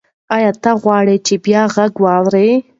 ایا ته غواړې چې بیا غږ واورې؟